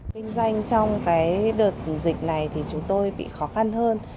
kinh doanh trong đợt dịch này thì chúng tôi bị khó khăn hơn